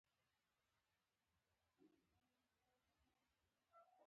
په جنوب کې تر کمکي عراق پورې رسېږي.